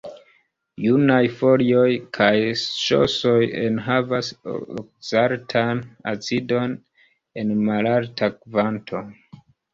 Junaj folioj kaj ŝosoj enhavas okzalatan acidon en malalta kvanto.